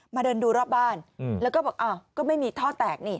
เดินดูรอบบ้านแล้วก็บอกอ้าวก็ไม่มีท่อแตกนี่